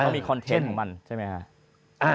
มีคอนเทนต์ของมันใช่ไหมฮะ